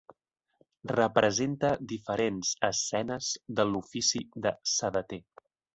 Representa diferents escenes de l'ofici de sabater.